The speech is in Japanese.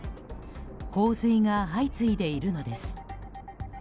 洪水が相次いでいるのです。